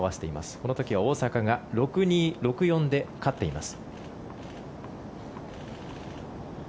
この時は大坂が６−２、６−４で勝っています。